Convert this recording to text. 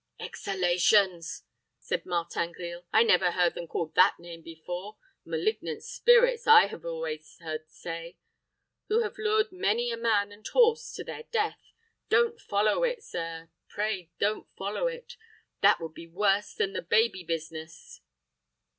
"Exhalations!" said Martin Grille; "I never heard them called that name before. Malignant spirits, I have always heard say, who have lured many a man and horse to their death. Don't follow it, sir; pray, don't follow it. That would be worse than the baby business."